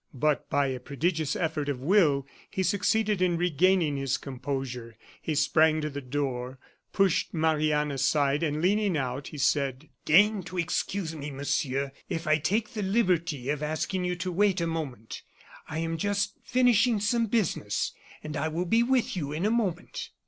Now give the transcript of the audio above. But, by a prodigious effort of will, he succeeded in regaining his composure. He sprang to the door, pushed Marie Anne aside, and leaning out, he said: "Deign to excuse me, Monsieur, if I take the liberty of asking you to wait a moment; I am just finishing some business, and I will be with you in a moment."